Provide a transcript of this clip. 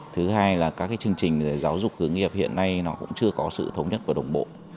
thứ hai là các chương trình giáo dục hướng nghiệp hiện nay nó cũng chưa có sự thống nhất và đồng bộ